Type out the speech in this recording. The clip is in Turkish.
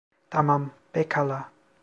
Tamam, pekala.